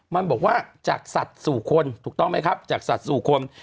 มันบอกว่าจากสัตว์สู่คนถูกต้องไหมครับจากสัตว์สู่คน